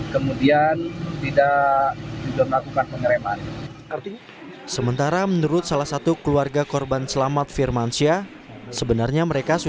kemudian tidak bisa melakukan pengereman